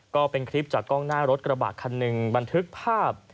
ก็เป็นคลิปจากกล้องหน้ารถกระบะคันหนึ่งบันทึกภาพ